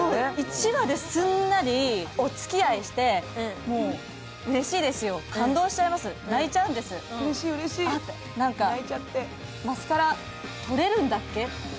１話ですんなりお付き合いして、うれしいですよ、感動しちゃいます、泣いちゃいますマスカラ、とれるんだっけ？